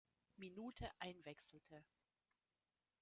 Minute einwechselte.